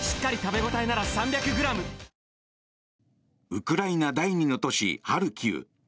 ウクライナ第２の都市ハルキウ。